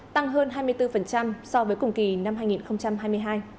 tăng hơn hai mươi bốn so với cùng kỳ năm hai nghìn hai mươi hai